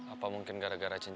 apa mungkin gara gara cinta